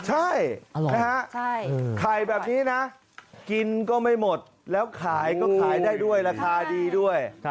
ใช่นะฮะไข่แบบนี้นะกินก็ไม่หมดแล้วขายก็ขายได้ด้วยราคาดีด้วย